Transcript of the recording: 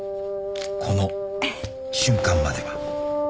［この瞬間までは］